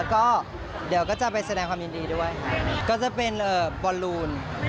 ก็เดี๋ยวก็จะไปแสดงความยินดีด้วยก็จะเป็นบอลลูน